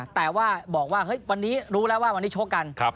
แต่ว่าบอกว่าเฮ้ยวันนี้รู้แล้วว่าวันนี้ชกกัน